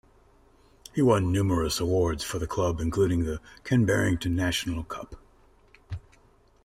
He won numerous awards for the club including the Ken Barrington National Cup.